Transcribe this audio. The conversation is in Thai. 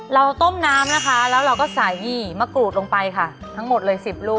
เราต้มน้ำนะคะแล้วเราก็ใส่หี่มะกรูดลงไปค่ะทั้งหมดเลย๑๐ลูก